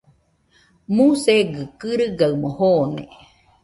Musegɨ kɨrigamo jone.